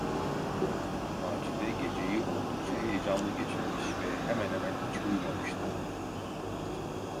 Macide geceyi oldukça heyecanlı geçirmiş ve hemen hemen hiç uyumamıştı.